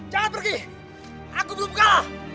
jangan pergi aku belum kalah